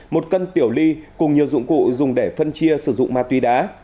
một cân tiểu ly cùng nhiều dụng cụ dùng để phân chia sử dụng ma túy đá